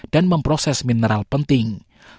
dan memproses mineral penting